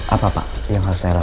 apa pak yang harus saya rasa